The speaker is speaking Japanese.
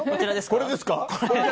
これですか？